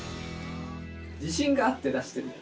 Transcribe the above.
自信があって出してるよね